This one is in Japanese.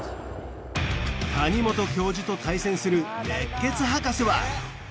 谷本教授と対戦する熱血ハカセは？